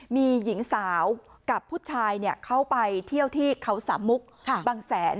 มีหญิงสาวกับผู้ชายเขาไปเที่ยวที่เขาสามมุกบางแสน